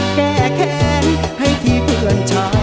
แก้แค้นให้ที่เพื่อนชาย